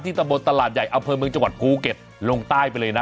ตะบนตลาดใหญ่อำเภอเมืองจังหวัดภูเก็ตลงใต้ไปเลยนะ